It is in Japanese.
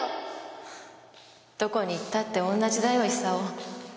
どこに行ったって同じだよ功。